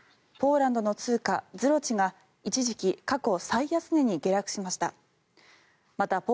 ポーランドの通貨、ズロチが一時期過去最安値に下落しました。